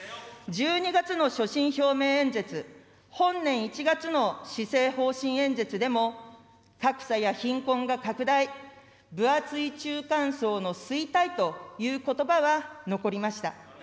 １２月の所信表明演説、本年１月の施政方針演説でも、格差や貧困が拡大、分厚い中間層の衰退ということばは残りました。